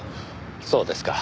そうですか。